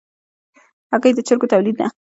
هګۍ د چرګو تولید ده.